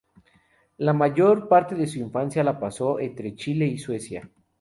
La mayor parte de su infancia la pasó entre Chile y Suecia.